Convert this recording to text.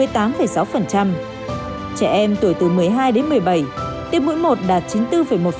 trẻ em tuổi từ một mươi hai đến một mươi bảy tiêm mũi một đạt chín mươi bốn một